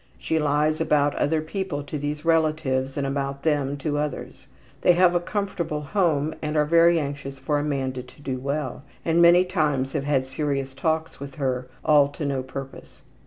She lies about other people to these relatives and about them to others. They have a comfortable home and are very anxious for Amanda to do well, and many times have had serious talks with her, all to no purpose.